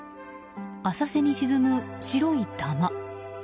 浅瀬に沈む、白い玉。